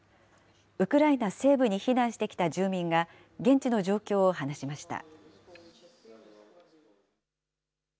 ウクライナ西部に避難してきた住民が、現地の状況を話しました。